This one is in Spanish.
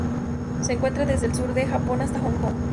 Se encuentra desde el sur del Japón hasta Hong Kong.